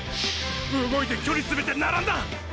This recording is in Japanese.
動いて距離つめて並んだ！！